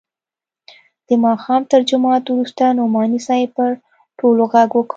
د ماښام تر جماعت وروسته نعماني صاحب پر ټولو ږغ وکړ.